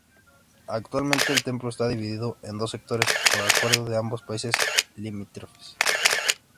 Actualmente, el templo está dividido en dos sectores por acuerdo de ambos países limítrofes.